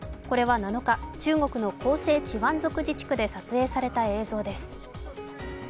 これは７日、中国の広西チワン族自治区で撮影された映像です。